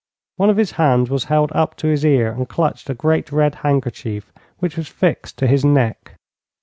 One of his hands was held up to his ear and clutched a great red handkerchief, which was fixed to his neck.